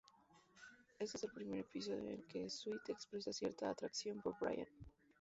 Este es el primer episodio en el que Stewie expresa cierta atracción por Brian.